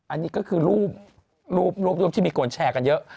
อันนี้ก็คือรูปที่มีคนแชร์กันเยอะ